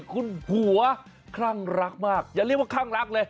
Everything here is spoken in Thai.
คุณผัวคลั่งรักมากอย่าเรียกว่าคลั่งรักเลย